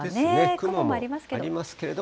雲もありますけど。